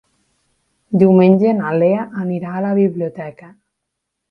Diumenge na Lea anirà a la biblioteca.